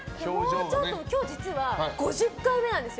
今日実は５０回目なんです